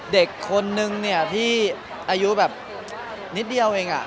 เด็กคนนึงเนี่ยที่อายุแบบนิดเดียวเอง